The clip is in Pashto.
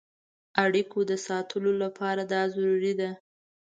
اړیکو د ساتلو لپاره دا ضروري ده.